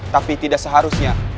tapi tidak seharusnya